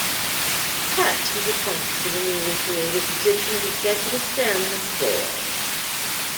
Katz was appointed to the newly created position of executive chairman of the board.